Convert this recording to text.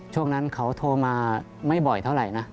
ช่วงนั้นเขาโทรมาไม่บ่อยเท่าไหร่นะ